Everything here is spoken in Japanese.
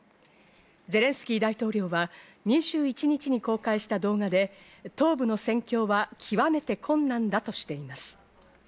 ゼレンスキー大統領は２１日に公開した動画で東部の戦況は極めて困難だとしています。